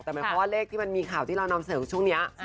แต่เหมือนเลขที่มันมีข่าวที่เรานำเสริมช่วงนี้